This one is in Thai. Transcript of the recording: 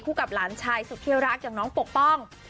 คู่กับหลานชายสุธีรักอย่างน้องปกป้อง